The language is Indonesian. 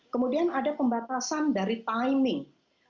kemudian ada pembatasan dari timing